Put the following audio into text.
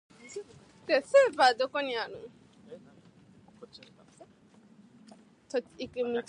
It is used also for flight training.